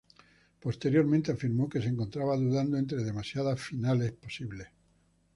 Posteriormente afirmó que se encontraba dudando entre demasiados finales posibles.